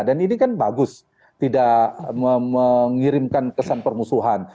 dan ini kan bagus tidak mengirimkan kesan permusuhan